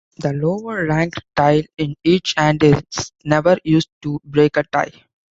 The lower-ranked tile in each hand is never used to break a tie.